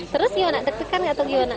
terus gimana deketan atau gimana